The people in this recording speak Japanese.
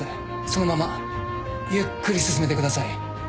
そのままゆっくり進めてください